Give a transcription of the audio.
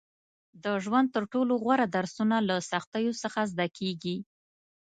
• د ژوند تر ټولو غوره درسونه له سختیو څخه زده کېږي.